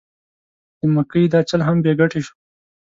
د مکۍ دا چل هم بې ګټې شو.